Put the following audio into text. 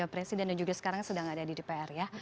presiden dan juga sekarang sedang ada di dpr ya